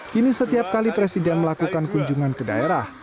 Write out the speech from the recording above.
kini setiap kali presiden melakukan kunjungan ke daerah